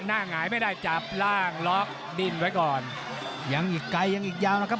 ผลทางเข้าสู่เส้นชัยนี่เป็นเพียงปลายกที่สองเท่านั้น